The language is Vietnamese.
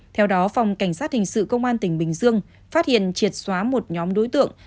theo đó phòng cảnh sát hình sự công an tỉnh bình dương phát hiện triệt xóa một nhóm đối tượng